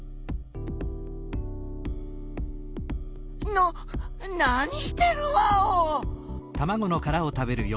な何してるワオ！？